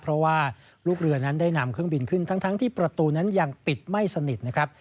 เพราะว่าลูกเรือนั้นได้นำเครื่องบินขึ้นทั้งที่ประตูนั้นยังปิดไม่สนิทนะครับ